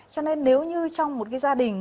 cho nên nếu như trong một gia đình